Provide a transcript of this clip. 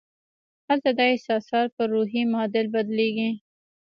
هلته دا احساسات پر روحي معادل بدلېږي